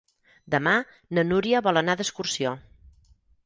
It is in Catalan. Demà na Núria vol anar d'excursió.